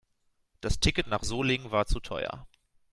Das Ticket nach Solingen war zu teuer